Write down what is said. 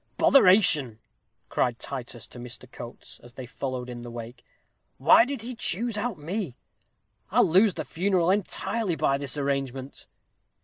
"Botheration!" cried Titus to Mr. Coates, as they followed in the wake, "why did he choose out me? I'll lose the funeral entirely by his arrangement."